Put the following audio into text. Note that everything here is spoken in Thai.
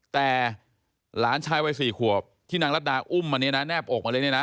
แต่หลานชายวัย๔ขวบที่นางรัดดาอุ้มมาเนี่ยนะแนบอกมาเลยเนี่ยนะ